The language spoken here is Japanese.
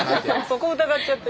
そこを疑っちゃって。